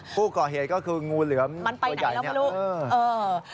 ผู้ก่อเหตุก็คืองูเหลือมมันไปไหนล่ะพี่ลูก